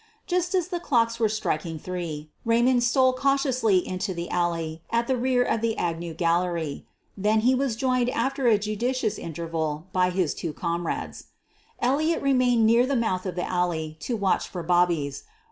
Just as the clocks were striking three, Raymond stole cautiously into the alley at the rear of the Agnew gallery. Then he was joined after a judi cious interval by his two comrades. Elliott remained near the mouth of the alley to watch for "bobbies."